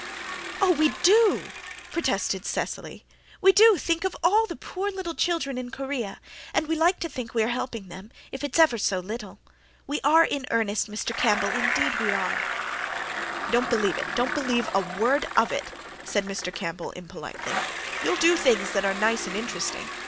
"Oh, we do," protested Cecily. "We do think of all the poor little children in Korea, and we like to think we are helping them, if it's ever so little. We ARE in earnest, Mr. Campbell indeed we are." "Don't believe it don't believe a word of it," said Mr. Campbell impolitely. "You'll do things that are nice and interesting.